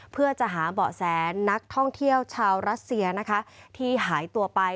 เพื่อจะหาเบาะแสนักท่องเที่ยวชาวรัสเซียนะคะที่หายตัวไป